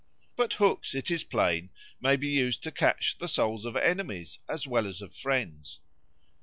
But hooks, it is plain, may be used to catch the souls of enemies as well as of friends.